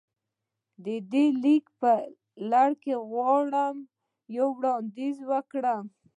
د دې ليک په لړ کې غواړم يو وړانديز وکړم.